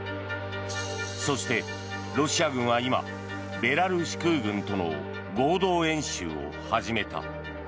そして、ロシア軍は今ベラルーシ空軍との合同演習を始めた。